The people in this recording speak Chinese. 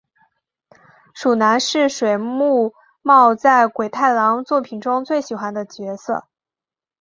鼠男是水木茂在鬼太郎作品中最喜爱的角色。